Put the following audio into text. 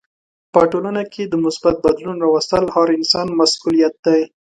په ټولنه کې د مثبت بدلون راوستل هر انسان مسولیت دی.